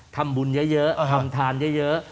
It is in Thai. ทำบุญเยอะทำทานเยอะ